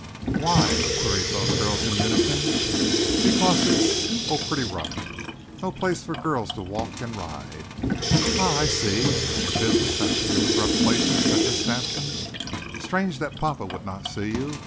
"Why?" queried both girls in unison. "Because it's oh, pretty rough no place for girls to walk and ride." "Ah! I see. And your business has to do with rough places," said Miss Sampson. "Strange that papa would not see you.